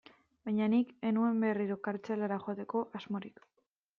Baina nik ez nuen berriro kartzelara joateko asmorik.